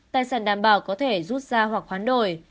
tài sản đảm bảo có thể rút ra hoặc hoán đổi